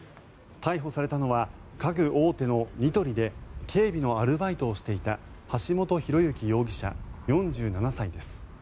逮捕されたのは家具大手のニトリで警備のアルバイトをしていた橋本寛之容疑者、４７歳です。